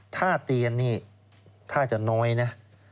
ถ้าเตียนนี่ถ้าจะน้อยนะ